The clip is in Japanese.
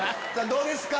どうですか？